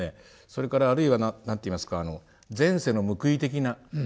それからあるいは何ていいますか前世の報い的な。